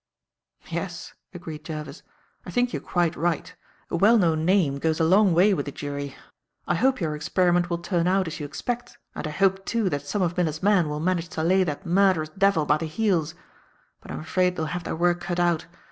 "Yes," agreed Jervis, "I think you are quite right. A well known name goes a long way with a jury. I hope your experiment will turn out as you expect, and I hope, too, that some of Miller's men will manage to lay that murderous devil by the heels. But I'm afraid they'll have their work cut out.